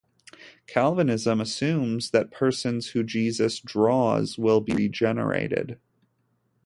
Calvinism assumes that persons who Jesus "draws" will be regenerated.